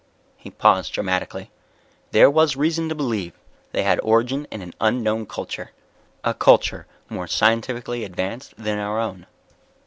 He paused dramatically. "There was reason to believe they had origin in an unknown culture. A culture more scientifically advanced than our own."